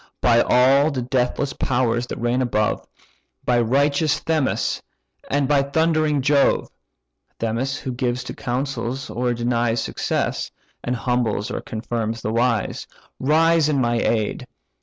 By all the deathless powers that reign above, By righteous Themis and by thundering Jove (Themis, who gives to councils, or denies Success; and humbles, or confirms the wise), Rise in my aid!